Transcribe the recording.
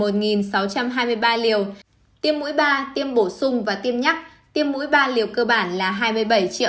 tiêm mũi ba tiêm bổ sung và tiêm nhắc tiêm mũi ba liều cơ bản là hai mươi bảy ba trăm ba mươi bảy trăm linh chín liều